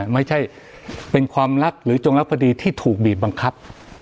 ไม่ใช่เป็นความรักหรือจงรักภดีที่ถูกบีบบังคับ